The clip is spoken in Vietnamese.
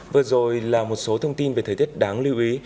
vừa rồi là một số thông tin về thời tiết đáng lưu ý